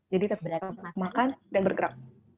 jadi makanan dan bergerak